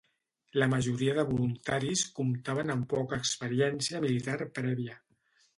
La majoria de voluntaris comptaven amb poca experiència militar prèvia.